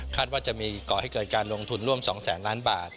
ว่าจะมีก่อให้เกิดการลงทุนร่วม๒แสนล้านบาท